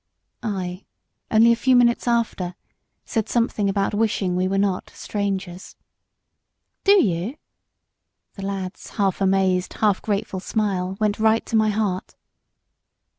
I, only a few minutes after, said something about wishing we were not "strangers." "Do you?" The lad's half amazed, half grateful smile went right to my heart.